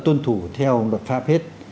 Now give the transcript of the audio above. tuân thủ theo luật pháp hết